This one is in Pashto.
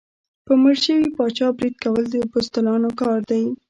په مړ شوي پاچا برید کول د بزدلانو کار دی.